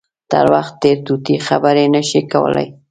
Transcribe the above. تر وخت تېر طوطي خبرې نه شي کولای.